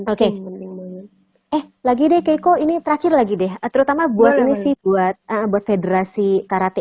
oke eh lagi deh keiko ini terakhir lagi deh terutama buat ini sih buat federasi karate